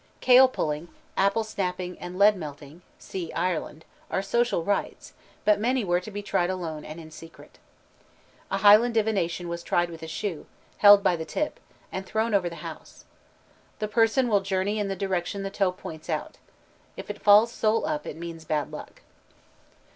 Kale pulling, apple snapping, and lead melting (see Ireland) are social rites, but many were to be tried alone and in secret. A Highland divination was tried with a shoe, held by the tip, and thrown over the house. The person will journey in the direction the toe points out. If it falls sole up, it means bad luck.